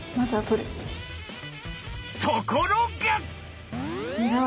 ところが！